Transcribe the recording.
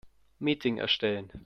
Meeting erstellen.